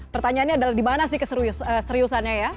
pertanyaannya adalah dimana sih keseriusannya ya